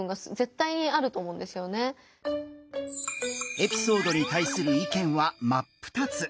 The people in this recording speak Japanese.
エピソードに対する意見は真っ二つ！